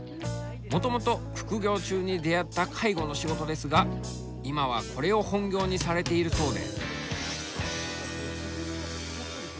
もともと副業中に出会った介護の仕事ですが今はこれを本業にされているそうで。